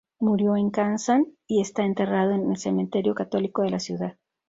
Murió en Kazan y está enterrado en el cementerio católico de la ciudad.